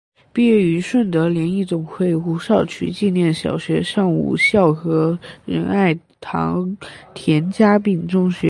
毕业于顺德联谊总会胡少渠纪念小学上午校和仁爱堂田家炳中学。